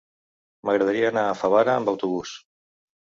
M'agradaria anar a Favara amb autobús.